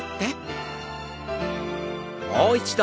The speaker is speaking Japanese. もう一度。